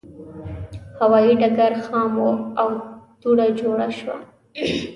هوایي ډګر خام و او دوړه جوړه شوه.